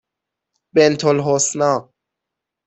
بِنتالحسنی